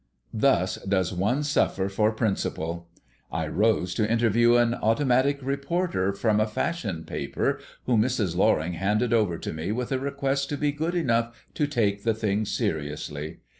Thus does one suffer for principle! I rose to interview an automatic reporter from a fashion paper, whom Mrs. Loring handed over to me with a request to be good enough to take the thing seriously.